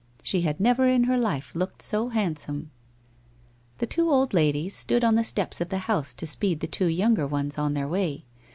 She had never in her life looked so handsome. The two old ladies stood on the steps of the house to speed the two younger ones on their way.